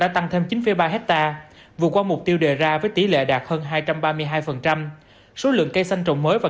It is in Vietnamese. đã tăng thêm chín ba hectare vượt qua mục tiêu đề ra với tỷ lệ đạt hơn hai trăm ba mươi hai số lượng cây xanh trồng mới và